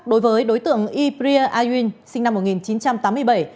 đối với đối tượng ypria ayutthaya